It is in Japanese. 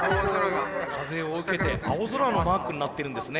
風を受けて青空のマークになってるんですね